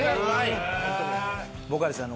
僕はですね